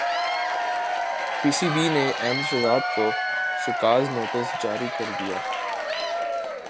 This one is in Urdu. پی سی بی نے احمد شہزاد کو شوکاز نوٹس جاری کردیا